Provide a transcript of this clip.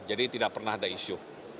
jadi tidak pernah ada isu